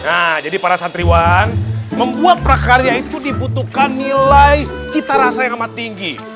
nah jadi para santriwan membuat prakarya itu dibutuhkan nilai cita rasa yang amat tinggi